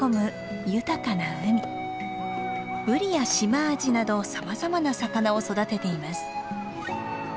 ブリやシマアジなどさまざまな魚を育てています。